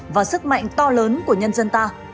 và sức mạnh to lớn của nhân dân ta